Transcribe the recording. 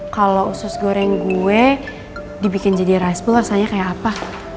kalau usus goreng gue dibikin jadi ricep rasanya kayak apa